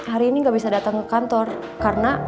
hari ini nggak bisa datang ke kantor karena